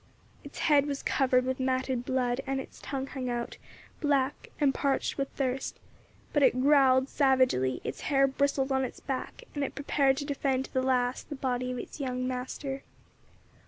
Its head was covered with matted blood, and its tongue hung out, black and parched with thirst; but it growled savagely, its hair bristled on its back, and it prepared to defend to the last the body of its young master.